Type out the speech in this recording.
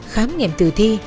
khám nghiệm tử thi